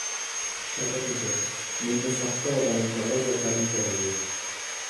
Shavkat Mirziyoyev: Menga soxta va balandparvoz gaplarning keragi yo‘q